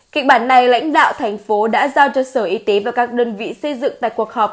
kịch bản này lãnh đạo thành phố đã giao cho sở y tế và các đơn vị xây dựng tại cuộc họp